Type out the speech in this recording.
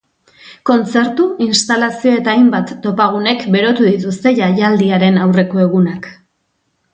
Kontzertu, instalazio eta hainbat topagunek berotu dituzte jaialdiaren aurreko egunak.